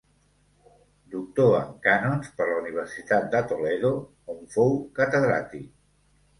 Doctor en Cànons per la Universitat de Toledo, on fou catedràtic.